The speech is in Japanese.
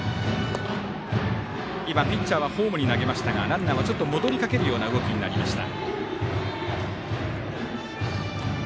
今、ピッチャーはホームに投げましたがランナーはちょっと戻りかけるような動きになりました。